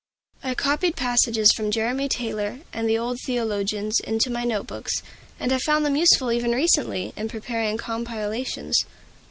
I copied passages from Jeremy Taylor and the old theologians into my note books, and have found them useful even recently, in preparing compilations.